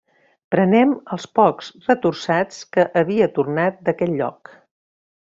Prenem els pocs retorçats que havia tornat d'aquest lloc.